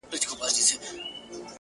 پوهېږم نه چي بيا په څه راته قهريږي ژوند،